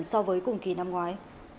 so với cùng kỳ năm ngoái